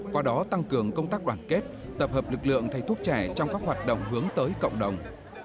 qua đó tăng cường công tác đoàn kết tập hợp lực lượng thầy thuốc trẻ trong các hoạt động hướng tới cộng đồng